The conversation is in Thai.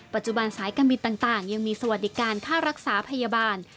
สายการบินต่างยังมีสวัสดิการค่ารักษาพยาบาล